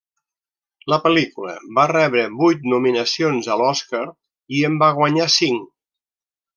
La pel·lícula va rebre vuit nominacions a l'Oscar i en va guanyar cinc.